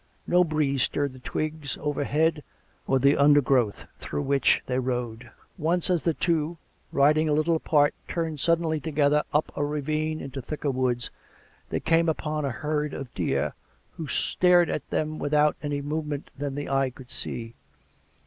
No breeze stirred the twigs overhead or the undergrowth through which they rode. Once, as the two, riding a little apart, turned suddenly to gether, up a ravine into thicker woods, they came upon a herd of deer, who stared on them without any movement that the eye could see.